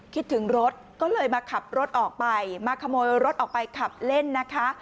คิดถึงรถก็เลยมาขับรถออกไปมาขโมยรถออกไปขับเล่นนะคะ